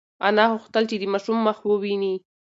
انا غوښتل چې د ماشوم مخ وویني.